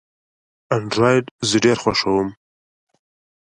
انډرایډ زه ډېر خوښوم.